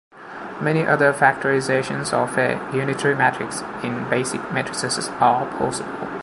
Many other factorizations of a unitary matrix in basic matrices are possible.